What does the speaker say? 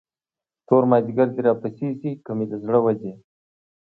تور مازدیګر دې راپسې شي، که مې له زړه وځې.